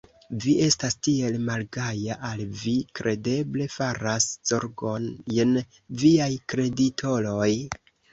Vi estas tiel malgaja, al vi kredeble faras zorgojn viaj kreditoroj?